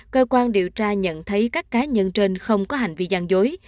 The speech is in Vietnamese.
cơ quan điều tra nhận thấy các cá nhân trên không có hành vi gian dối